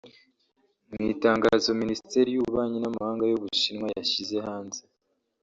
Mu itangazo Minisiteri y’Ububanyi n’Amahanga y’Ubushinwa yashyize hanze